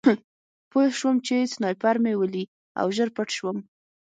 پوه شوم چې سنایپر مې ولي او ژر پټ شوم